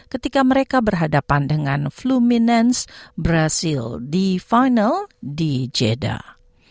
ketika mereka berhadapan dengan flu minance brazil di final di jeddah